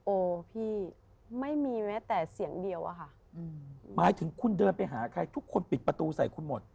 โอ้พี่ไม่มีแม้แต่เสียงเดียวอะค่ะหมายถึงคุณเดินไปหาใครทุกคนปิดประตูใส่คุณหมด